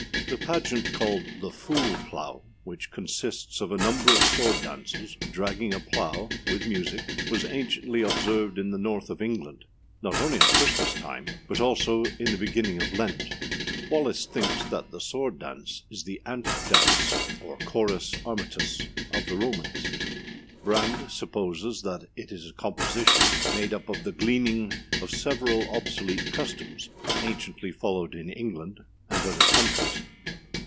The pageant called The Fool Plough, which consists of a number of sword dancers dragging a plough with music, was anciently observed in the North of England, not only at Christmas time, but also in the beginning of Lent. Wallis thinks that the Sword Dance is the antic dance, or chorus armatus of the Romans. Brand supposes that it is a composition made up of the gleaning of several obsolete customs anciently followed in England and other countries.